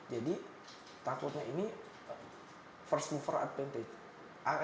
jadi takutnya ini first mover advantage